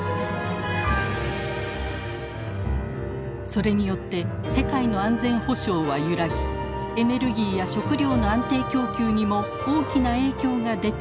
それによって世界の安全保障は揺らぎエネルギーや食料の安定供給にも大きな影響が出ています。